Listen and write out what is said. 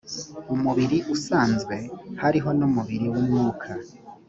umubiri usanzwe hariho n umubiri w umwuka